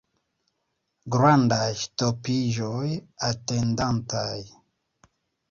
Grandaj ŝtopiĝoj atendataj.